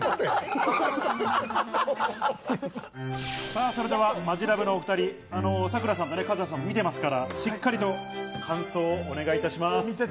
さぁ、それではマヂラブのお２人、ＳＡＫＵＲＡさんとＫＡＺＵＨＡさんも見てますから、しっかりと感想をお願いいたします。